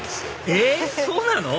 えっ⁉そうなの？